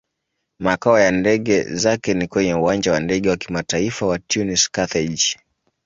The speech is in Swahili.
Makao ya ndege zake ni kwenye Uwanja wa Ndege wa Kimataifa wa Tunis-Carthage.